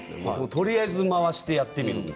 とりあえず回してやってみようって。